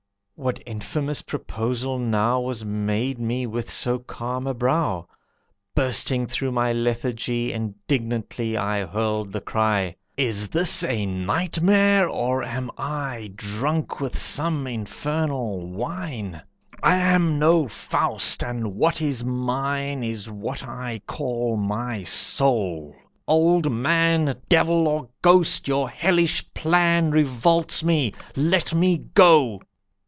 What infamous proposal now Was made me with so calm a brow? Bursting through my lethargy, Indignantly I hurled the cry: "Is this a nightmare, or am I Drunk with some infernal wine? I am no Faust, and what is mine Is what I call my soul! Old Man! Devil or Ghost! Your hellish plan Revolts me. Let me go."